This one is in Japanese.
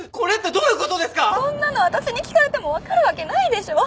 そんなの私に聞かれても分かるわけないでしょ。